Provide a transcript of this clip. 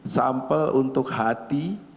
sampel untuk hati